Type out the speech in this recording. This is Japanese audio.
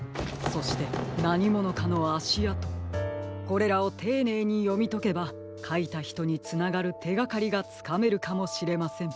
これらをていねいによみとけばかいたひとにつながるてがかりがつかめるかもしれません。